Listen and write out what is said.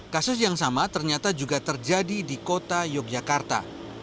kasus yang sama ternyata juga terjadi di kota yogyakarta